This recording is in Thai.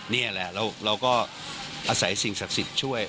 นี่แหละแล้วเราก็อาศัยสิ่งศักดิ์สิทธิ์ช่วย